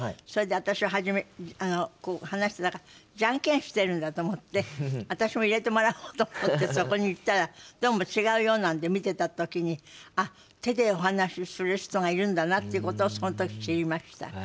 それで私ははじめジャンケンしてるんだと思って私も入れてもらおうと思ってそこに行ったらどうも違うようなので見てた時にあっ手でお話しする人がいるんだなっていうことをその時知りました。